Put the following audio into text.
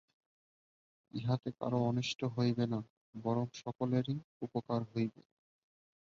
ইহাতে কাহারও অনিষ্ট হইবে না, বরং সকলেরই উপকার হইবে।